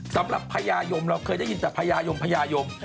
พญายมเราเคยได้ยินแต่พญายมพญายม